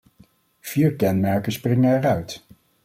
Vier kenmerken springen eruit.